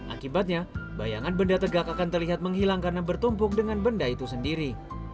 akibatnya bayangan benda tegak akan terlihat menghilang karena bertumpuk dengan benda itu sendiri